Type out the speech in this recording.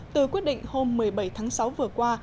từ quyết định hôm một mươi bảy tháng sáu vừa qua